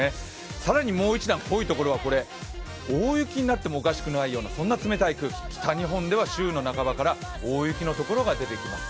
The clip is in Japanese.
更にもう一段、多い所は大雪になってもおかしくない冷たい空気、北日本では週の半ばから大雪のところが出てきます。